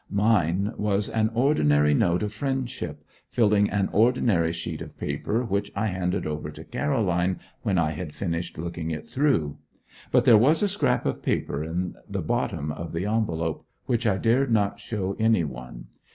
Mine was an ordinary note of friendship, filling an ordinary sheet of paper, which I handed over to Caroline when I had finished looking it through. But there was a scrap of paper in the bottom of the envelope, which I dared not show any one.